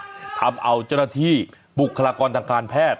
ก็ทำเอาเจ้าหน้าที่บุคลากรทางการแพทย์